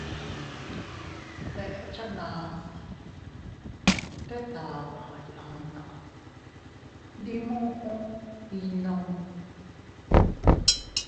Deʼechanas tet aʼaba yanna, ndi muʼu ekku.